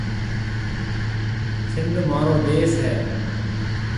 سنڌه مهورو ديس هيَ۔